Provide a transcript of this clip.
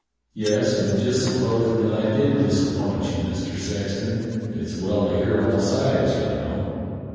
"Yes, but just supposin' that I did disappoint you. Mister Sexton.? It's well to hear all sides, you know."